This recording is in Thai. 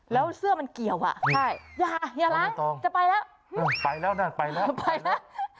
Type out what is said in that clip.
แล้วเสื้อมันเกี่ยวอ่ะใช่อย่าอย่าล้างจะไปแล้วไปแล้วนั่นไปแล้วไปแล้ว